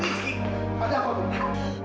rizky pada apa